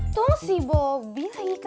tidak ada yang bisa dikendalikan